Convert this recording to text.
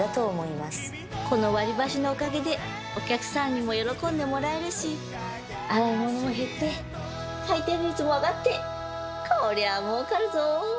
この割り箸のおかげでお客さんにも喜んでもらえるし洗い物も減って回転率も上がってこりゃもうかるぞ！